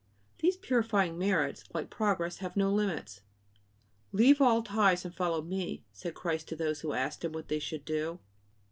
These purifying merits, like progress, have no limits. "Leave all ties and follow Me," said Christ to those who asked Him what they should do.